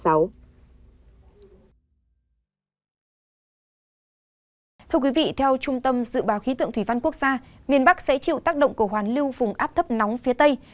theo trung tâm dự báo khí tượng thủy văn quốc gia miền bắc sẽ chịu tác động của hoàn lưu vùng áp thấp nóng phía tây